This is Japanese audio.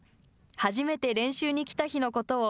初めて練習に来た日のことを